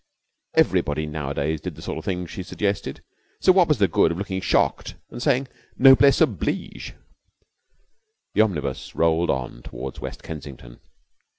Everybody nowadays did the sort of things she suggested, so what was the good of looking shocked and saying 'Noblesse oblige'? The omnibus rolled on towards West Kensington.